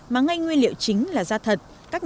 mà ngay nguyên liệu chính là da thật